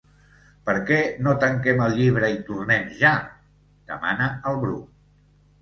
Per què no tanquem el llibre i tornem ja? —demana el Bru.